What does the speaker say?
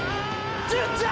純ちゃん！！